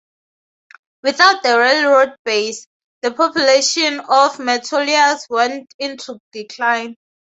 Without the railroad base, the population of Metolius went into decline.